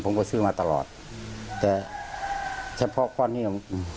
ผมก็ซื้อมาตลอดแต่เฉพาะก้อนนี้